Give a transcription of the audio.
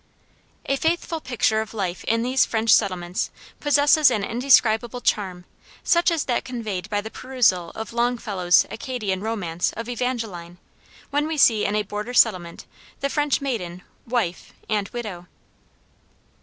A faithful picture of life in these French settlements possesses an indescribable charm, such as that conveyed by the perusal of Longfellow's Acadian Romance of "Evangeline," when we see in a border settlement the French maiden, wife, and widow.